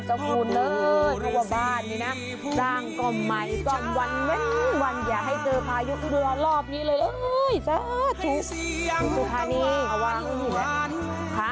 ทุกท่านีก็วางอยู่นี่แหละ